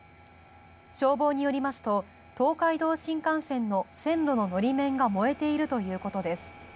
消防によりますと東海道新幹線の線路の法面が燃えているということです。